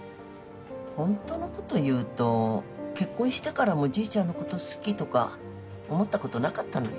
ホントのこと言うと結婚してからもじいちゃんのこと好きとか思ったことなかったのよ